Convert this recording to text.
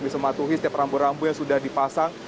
bisa mematuhi setiap rambu rambu yang sudah dipasang